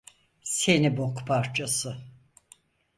Seni bok parçası.